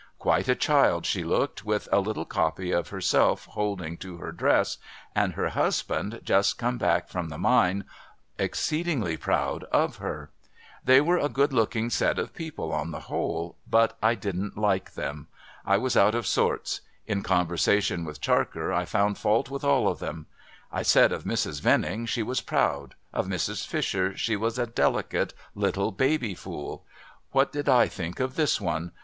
Quite a child she looked, with a little copy of herself holding to her dress ; and her husband, just come back from the mine, exceeding proud of her. They were a good looking set of people on the whole, but I didn't like them. I was out of sorts ; in conversation with Charker, I found fault with all of them. I said of Mrs. \'enning, she was proud ; of Mrs. Fisher, she was a delicate little baby fool. What did I think of this one